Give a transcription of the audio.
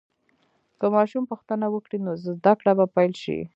که ماشوم پوښتنه وکړي، نو زده کړه به پیل شي.